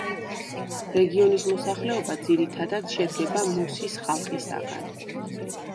რეგიონის მოსახლეობა ძირითადად შედგება მოსის ხალხისაგან.